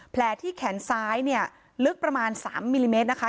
แผลที่แขนซ้ายเนี่ยลึกประมาณ๓มิลลิเมตรนะคะ